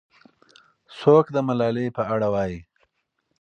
څوک د ملالۍ په اړه وایي؟